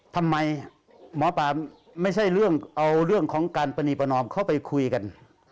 ทำไมหมอปลาไม่ใช่เรื่องเอาเรื่องของการปณีประนอมเข้าไปคุยกัน